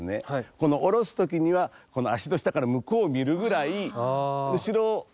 この下ろす時にはこの足の下から向こうを見るぐらい後ろを見るぐらい深く。